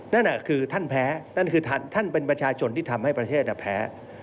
นั่นคือท่านแพ้นั่นคือท่านเป็นประชาชนที่ทำให้ประเทศแพ้